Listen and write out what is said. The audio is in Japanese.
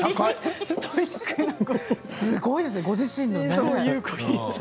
すごいですね、ご自身の。